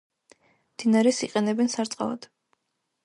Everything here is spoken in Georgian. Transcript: მდინარეს იყენებენ სარწყავად.